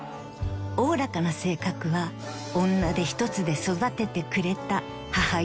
［おおらかな性格は女手ひとつで育ててくれた母譲りです］